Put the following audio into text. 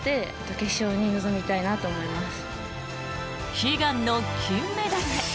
悲願の金メダルへ。